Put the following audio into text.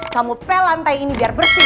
kamu pel lantai ini biar bersih